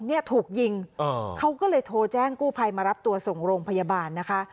เนี่ยถูกยิงเขาก็เลยโทรแจ้งกู้ภัยมารับตัวส่งโรงพยาบาลนะคะ